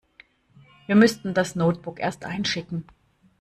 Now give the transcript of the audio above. Wir müssten das Notebook erst einschicken.